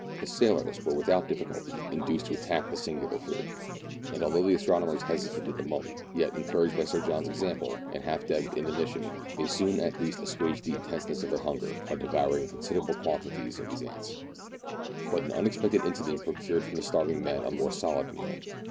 The sailors were without difficulty induced to attack the singular food, and although the astronomers hesitated a moment, yet, encouraged by Sir John's example, and half dead with inanition, they soon at least assuaged the intenseness of their hunger by devouring considerable quantities of these ants. 198 MERIDIANA; THE ADVENTURES OF But an unexpected incident procured for the starving men a more solid meal.